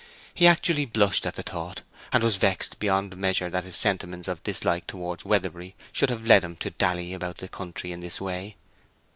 He actually blushed at the thought, and was vexed beyond measure that his sentiments of dislike towards Weatherbury should have led him to dally about the country in this way.